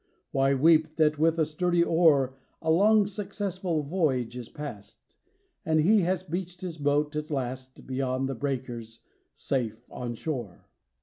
Why weep that with a sturdy oar A long successful voyage is past, And he has beached his boat at last Beyond the breakers, safe on shore.